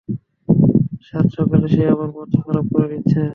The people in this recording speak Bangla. সাত সকালে সে আমার মাথা খারাপ করে দিচ্ছে।